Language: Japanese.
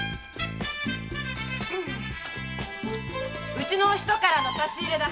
うちの人からの差し入れだ。